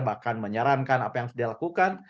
bahkan menyarankan apa yang sudah dilakukan